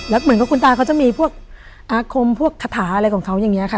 แล้วเหมือนกับคุณตาเขาจะมีพวกอาคมพวกคาถาอะไรของเขาอย่างนี้ค่ะ